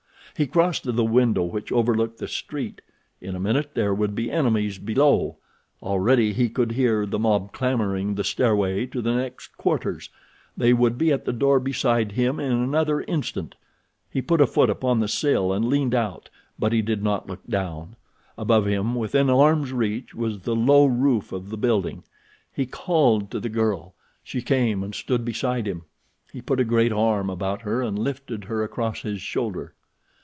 He crossed to the window which overlooked the street. In a minute there would be enemies below. Already he could hear the mob clambering the stairway to the next quarters—they would be at the door beside him in another instant. He put a foot upon the sill and leaned out, but he did not look down. Above him, within arm's reach, was the low roof of the building. He called to the girl. She came and stood beside him. He put a great arm about her and lifted her across his shoulder.